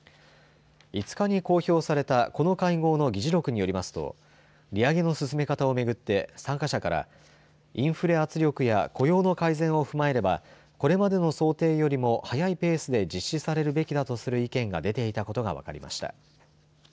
５日に公表されたこの会合の議事録によりますと利上げの進め方を巡って参加者からインフレ圧力や雇用の改善を踏まえればこれまでの想定よりも速いペースで実施されるべきだとする意見が出ていたことが分かりました。